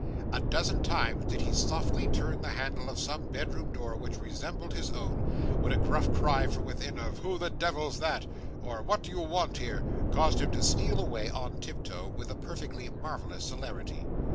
A dozen times did he softly turn the handle of some bedroom door which resembled his own, when a gruff cry from within of 'Who the devil's that?' or 'What do you want here?' caused him to steal away, on tiptoe, with a perfectly marvellous celerity.